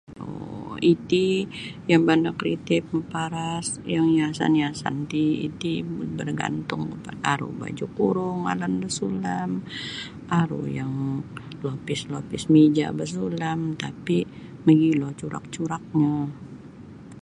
um Iti yang banda kreatif maparas yang hiasan-hiasan ti iti bergantung aru baju kurung alan da sulam aru yang lopis-lopis mija basulam tapi magilo curak-curaknyo.